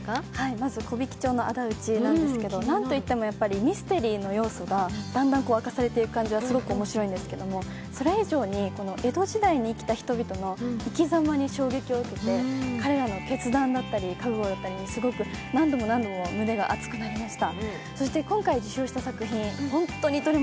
まず「木挽町のあだ討ち」なんですけど、何といってもミステリーの要素がだんだん明かされていく感じはすごく面白いんですけど、それ以上に、江戸時代に生きた人々の生きざまに衝撃を受けて彼らの決断であったり、覚悟だったりに、すごく何度も何度も胸が熱くなりました。